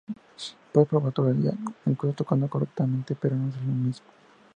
Puedes probar todo el día, incluso tocando correctamente, pero no es lo mismo.